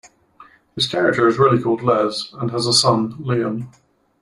His character is really called Les and has a son, Liam.